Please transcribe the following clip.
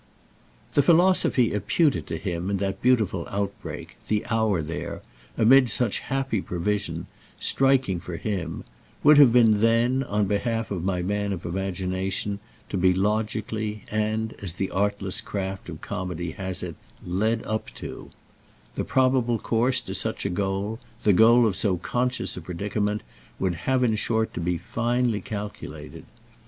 The philosophy imputed to him in that beautiful outbreak, the hour there, amid such happy provision, striking for him, would have been then, on behalf of my man of imagination, to be logically and, as the artless craft of comedy has it, "led up" to; the probable course to such a goal, the goal of so conscious a predicament, would have in short to be finely calculated.